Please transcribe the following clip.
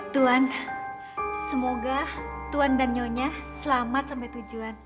tuan semoga tuhan dan nyonya selamat sampai tujuan